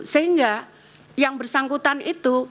sehingga yang bersangkutan itu